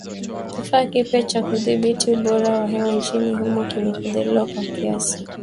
Kifaa kipya cha kudhibiti ubora wa hewa nchini humo kimefadhiliwa kwa kiasi.